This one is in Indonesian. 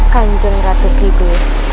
kanjeng ratu kido